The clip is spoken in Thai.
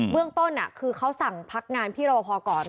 เรื่องต้นคือเขาสั่งพักงานพี่รอพอก่อน